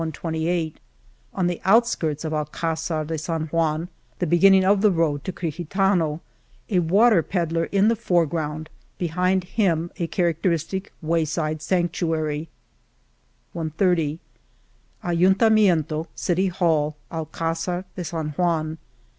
. .126 On the outskirts of Alcdzar de San Juan, the beginning of the road to Crijitano, a water pedler in the foreground, behind him a characteristic wayside sanctuary, 128' Ajutamiento (City Hall), Alcdzar de San Juan